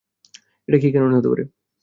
এটা কি কারণ হতে পারে?